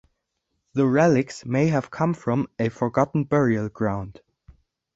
The relics may have come from a forgotten burial ground.